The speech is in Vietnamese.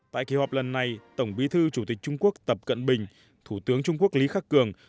tại kỳ họp lần này tổng bí thư chủ tịch trung quốc tập cận bình thủ tướng trung quốc lý khắc cường